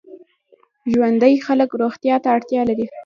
ژوندي خلک روغتیا ته اړتیا لري